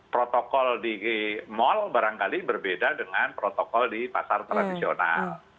protokol di mal barangkali berbeda dengan protokol di pasar tradisional